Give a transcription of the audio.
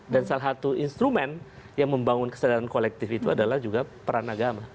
dan salah satu instrumen yang membangun kesadaran kolektif itu adalah juga peran agama